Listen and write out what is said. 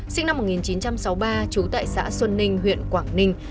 sinh năm một nghìn chín trăm sáu mươi ba trú tại xã xuân ninh huyện quảng ninh